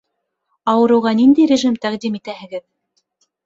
Ауырыуға ниндәй режим тәҡдим итәһегеҙ?